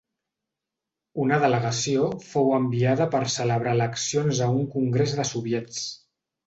Una delegació fou enviada per celebrar eleccions a un congrés de Soviets.